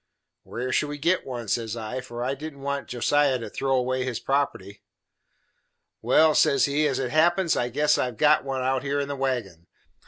"Where should we git one?" says I, for I didn't want Josiah to throw away his property. "Well," says he, "as it happens, I guess I have got one out here in the wagon.